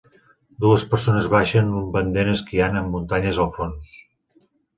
Dues persones baixen un pendent esquiant amb muntanyes al fons